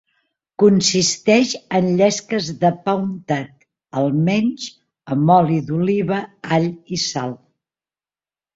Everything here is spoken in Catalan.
Consisteix en llesques de pa untat, almenys, amb oli d’oliva, all i sal.